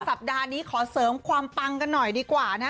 อาจารย์ขอเสริมความปังกันหน่อยดีกว่านะ